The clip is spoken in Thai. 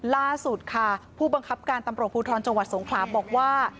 ล่าสุดค่ะผู้บังคับการตำรวจภูทรจังหวัดสงขลาบอกว่า